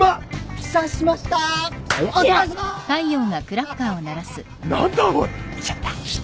来ちゃった。